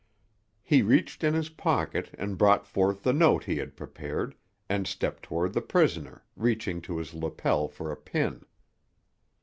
He reached in his pocket and brought forth the note he had prepared, and stepped toward the prisoner, reaching to his lapel for a pin.